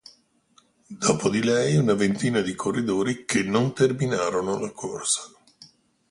Dopo di lei, una ventina di corridori che non terminarono la corsa.